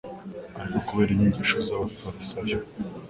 ariko kubera inyigisho z'abafarisayo,